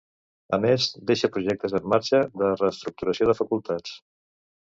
A més, deixa projectes en marxa de reestructuració de facultats.